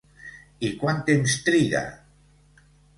I quan temps triga?